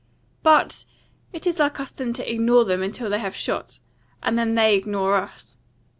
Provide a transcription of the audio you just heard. But it is our custom to ignore them until they have shot, and then they ignore us.